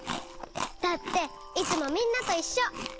だっていつもみんなといっしょ！